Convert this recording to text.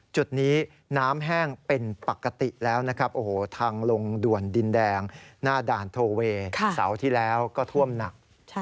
จุดนี้น้ำแห้งเป็นปกติแล้วนะครับโอ้โหทางลงด่วนดินแดงหน้าด่านโทเวย์เสาร์ที่แล้วก็ท่วมหนัก